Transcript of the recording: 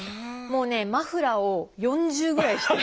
もうねマフラーを４重ぐらいして。